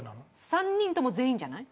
３人とも全員じゃない？